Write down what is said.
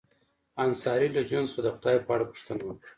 انصاري له جون څخه د خدای په اړه پوښتنه وکړه